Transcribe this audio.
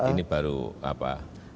ini baru apa